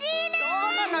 そうなのよ！